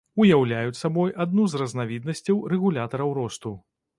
Уяўляюць сабой адну з разнавіднасцяў рэгулятараў росту.